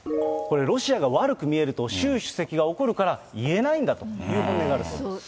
これ、ロシアが悪く見えると習主席が怒るから、言えないんだという本音